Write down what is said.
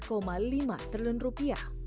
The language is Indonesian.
provinsi bangka belitung